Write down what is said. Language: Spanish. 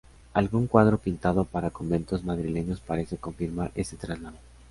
Algún cuadro pintado para conventos madrileños parece confirmar ese traslado.